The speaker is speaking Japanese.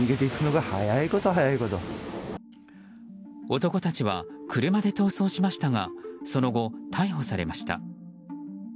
男たちは車で逃走しましたがその後、逮捕されました。